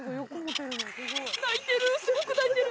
鳴いてる！